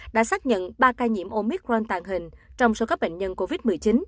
đã xác nhận ba ca nhiễm omicron tàng hình trong số các bệnh nhân covid một mươi chín